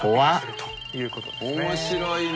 面白いね。